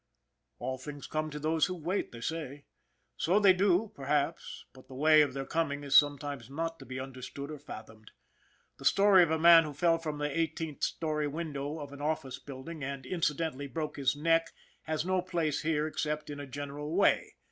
All things come to those who wait, they say. So they do, perhaps ; but the way of their coming is some times not to be understood or fathomed. The story of a man who fell from the eighteenth story window of an office building, and, incidentally, broke his neck has no place here except in a general way.